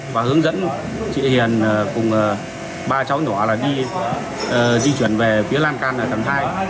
và hướng dẫn chị hiền cùng ba cháu nhỏ đi di chuyển về phía lan can ở tầng hai